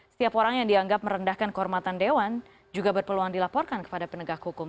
setiap orang yang dianggap merendahkan kehormatan dewan juga berpeluang dilaporkan kepada penegak hukum